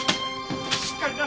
しっかりな！